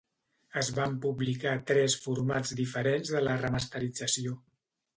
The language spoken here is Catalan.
Es van publicar tres formats diferents de la remasterització.